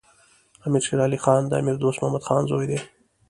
امیر شیر علی خان د امیر دوست محمد خان زوی دی.